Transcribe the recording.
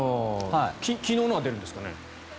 昨日のは出るんですかね。